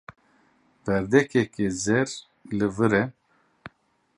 Werdekeke zer li vir e.